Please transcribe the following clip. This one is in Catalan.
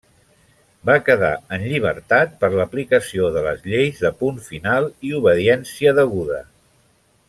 Va quedar en llibertat per l'aplicació de les lleis de Punt Final i Obediència Deguda.